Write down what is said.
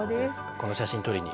この写真撮りに。